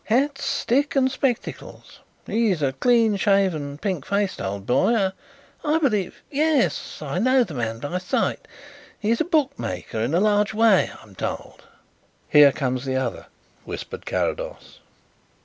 "Hat, stick and spectacles. He is a clean shaven, pink faced old boy. I believe yes, I know the man by sight. He is a bookmaker in a large way, I am told." "Here comes the other," whispered Carrados.